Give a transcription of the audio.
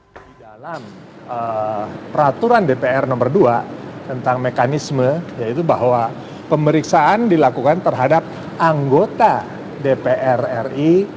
di dalam peraturan dpr nomor dua tentang mekanisme yaitu bahwa pemeriksaan dilakukan terhadap anggota dpr ri